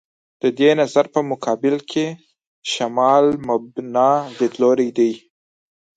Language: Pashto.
د دې نظر په مقابل کې «شمال مبنا» لیدلوری دی.